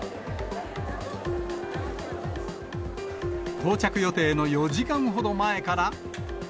到着予定の４時間ほど前から。